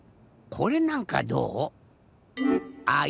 これなんかどう？